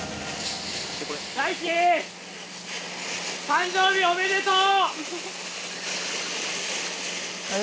誕生日おめでとう。